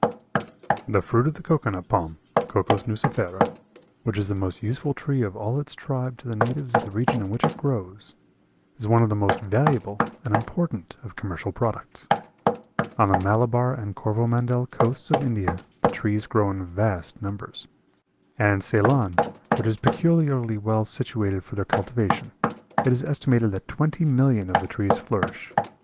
The fruit of the cocoa nut palm, (Cocos nucifera), which is the most useful tree of all its tribe to the natives of the regions in which it grows, is one of the most valuable and important of commercial products. On the Malabar and Corvomandel coasts of India the trees grow in vast numbers; and in Ceylon, which is peculiarly well situated for their cultivation, it is estimated that twenty millions of the trees flourish.